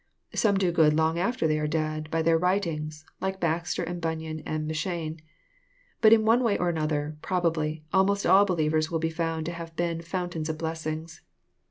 Some do good long after they are dead, by their writings ; like Baxter and Bunyan and M'Cheyne. But in \ one way or another, probably, almost all believers will be found to have been fountains of blessings.